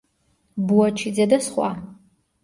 ბუაჩიძე და სხვა.